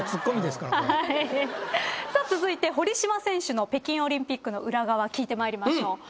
続いて堀島選手の北京オリンピックの裏側聞いてまいりましょう。